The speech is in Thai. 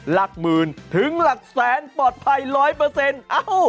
ละหมื่นถึงละแสนปลอดภัย๑๐๐อ้าว